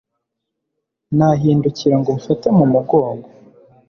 nahindukira ngo umfate mu mugongo